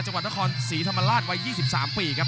จังหวัดนครศรีธรรมราชวัย๒๓ปีครับ